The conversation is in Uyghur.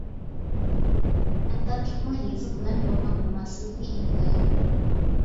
خەتتاتلىقنىڭ يېزىق بىلەن بولغان مۇناسىۋىتى ئىنتايىن قويۇق.